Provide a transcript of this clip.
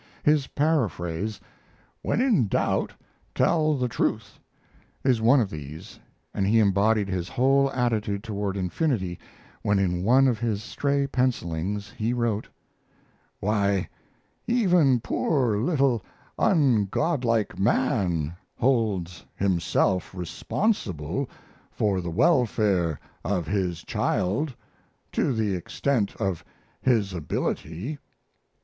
His paraphrase, "When in doubt tell the truth," is one of these, and he embodied his whole attitude toward Infinity when in one of his stray pencilings he wrote: Why, even poor little ungodlike man holds himself responsible for the welfare of his child to the extent of his ability.